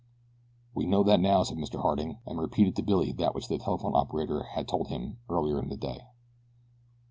"We know that now," said Mr. Harding, and repeated to Billy that which the telephone operator had told him earlier in the day.